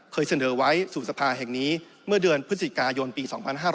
เคยเสนอไว้สู่สภาแห่งนี้เมื่อเดือนพฤศจิกายนปี๒๕๕๙